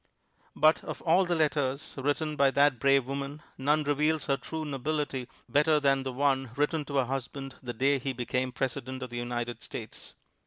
But of all the letters written by that brave woman none reveals her true nobility better than the one written to her husband the day he became President of the United States.